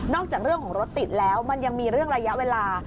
จากเรื่องของรถติดแล้วมันยังมีเรื่องระยะเวลา